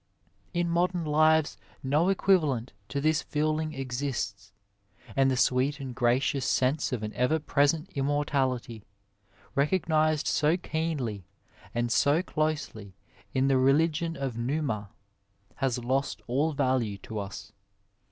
In our modem lives no equivalent to this feeling exists, and the sweet and gracious sense of an ever present immortality, recognized so keenly and so closely in the religion of Numa, has lost all value to us.